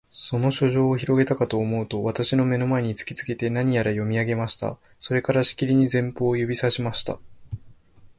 その書状をひろげたかとおもうと、私の眼の前に突きつけて、何やら読み上げました。それから、しきりに前方を指さしました。